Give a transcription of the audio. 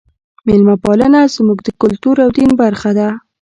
میلمه پالنه زموږ د کلتور او دین برخه ده.